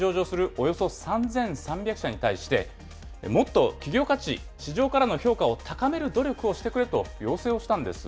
およそ３３００社に対して、もっと企業価値、市場からの評価を高める努力をしてくれと要請をしたんです。